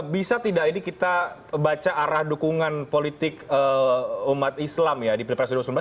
bisa tidak ini kita baca arah dukungan politik umat islam ya di pilpres dua ribu sembilan belas